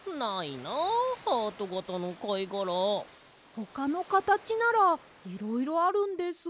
ほかのかたちならいろいろあるんですが。